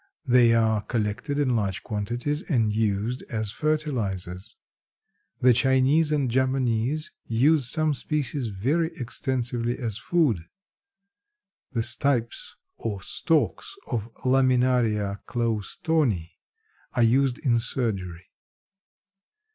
They are collected in large quantities and used as fertilizers. The Chinese and Japanese use some species very extensively as food. The stipes or stalks of Laminaria cloustoni are used in surgery.